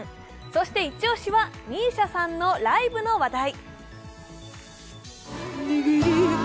そしイチ押しはＭＩＳＩＡさんのライブの話題。